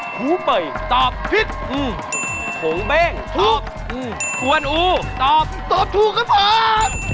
ภูเบยตอบพิษอืมโถงเบ้งตอบอืมภวนอูตอบตอบถูกครับผม